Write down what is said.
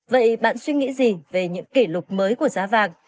vậy bạn suy nghĩ gì về những kỷ lục mới của giá vàng